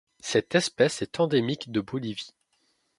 Cette espèce est endémique de Bolivie.